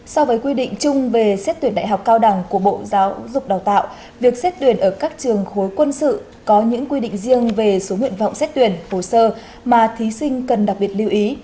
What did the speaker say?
so với quy định chung về xét tuyển đại học cao đẳng của bộ giáo dục đào tạo việc xét tuyển ở các trường khối quân sự có những quy định riêng về số nguyện vọng xét tuyển hồ sơ mà thí sinh cần đặc biệt lưu ý